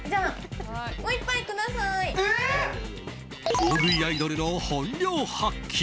大食いアイドルの本領発揮。